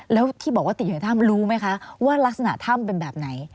แล้วที่บอกว่าติดอยู่ในถ้ำรู้ไหมคะว่ารักษณะถ้ำเป็นแบบไหน